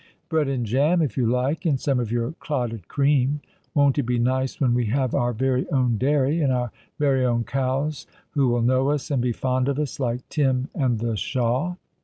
Bread and jam, if you like, and some of your clotted cream. Won't it be nice when we have our very own dairy, and our very own cows, who will know us and be fond of us, like Tim and the Shah